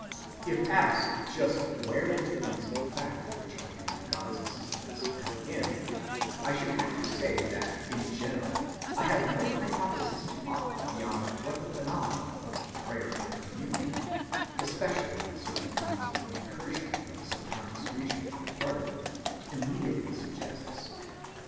If asked just where the differences in fact which are due to God's existence come in, I should have to say that in general I have no hypothesis to offer beyond what the phenomenon of "prayerful communion," especially when certain kinds of incursion from the subconscious region take part in it, immediately suggests.